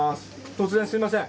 突然すみません。